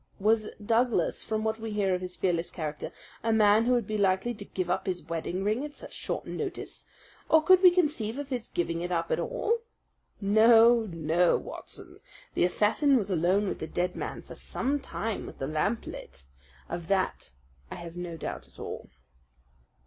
Was Douglas, from what we hear of his fearless character, a man who would be likely to give up his wedding ring at such short notice, or could we conceive of his giving it up at all? No, no, Watson, the assassin was alone with the dead man for some time with the lamp lit. Of that I have no doubt at all.